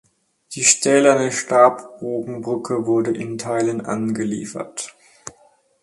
Die stählerne Stabbogenbrücke wurde in Teilen angeliefert.